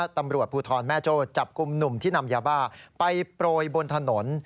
ตำรวจภูทรแม่โจ้จับกลุ่มหนุ่มที่นำยาบ้าไปโปรยบนถนน